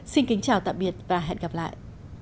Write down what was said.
xin kính chào tạm biệt và hẹn gặp lại